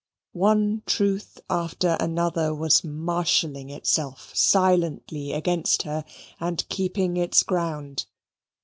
One truth after another was marshalling itself silently against her and keeping its ground.